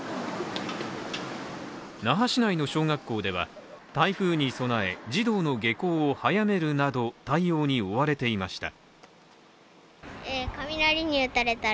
那覇市内の小学校では台風に備え児童の下校を早めるなど対応に追われていました。